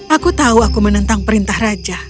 aku tahu aku menentang perintah raja